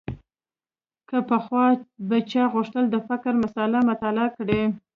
که پخوا به چا غوښتل د فقر مسأله مطالعه کړي.